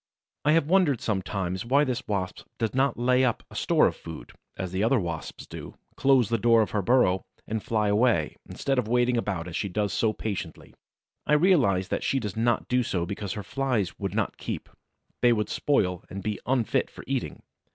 I have wondered sometimes why this Wasp does not lay up a store of food, as the other Wasps do, close the door of her burrow and fly away, instead of waiting about, as she does so patiently. I realize that she does not do so because her Flies would not keep; they would spoil and be unfit for eating.